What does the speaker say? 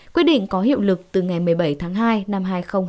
quyết định có hiệu lực từ ngày một mươi bảy tháng hai năm hai nghìn hai mươi